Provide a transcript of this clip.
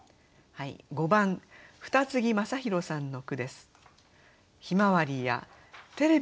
５番二木雅弘さんの句です。